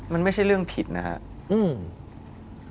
มันไม่ใช่เรื่องผิดนะครับ